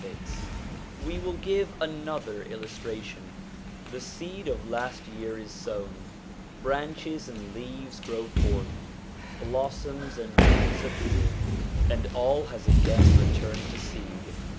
SOME CHRISTIAN SUBJECTS 153 We will give another illustration: the seed of last year is sown, branches and leaves grow forth, blossoms and fruits appear, and all has again returned to seed.